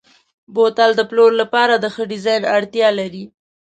بوتل د پلور لپاره د ښه ډیزاین اړتیا لري.